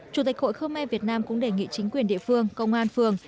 chủ tịch hội khơ me việt nam cũng đề nghị chính quyền địa phương công an phường